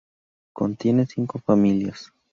Contiene cinco familias.